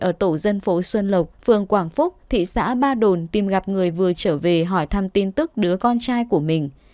ở tổ dân phố xuân lộc phường quảng phúc thị xã ba đồn tìm gặp người vừa trở về hỏi thăm tin tức đứa con trai của mình